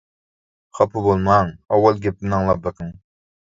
-خاپا بولماڭ، ئاۋۋال گېپىمنى ئاڭلاپ بېقىڭ.